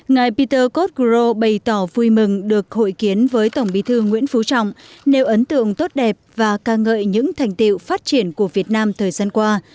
ngài peter cotgrove bày tỏ vui mừng được hội kiến với tổng bí thư nguyễn phú trọng nêu ấn tượng tốt đẹp và ca ngợi những thành tiệu phát triển của việt nam thời gian qua